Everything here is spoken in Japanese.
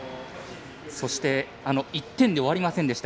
そして１点で終わりませんでした。